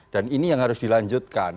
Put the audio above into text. dan ini yang harus dilanjutkan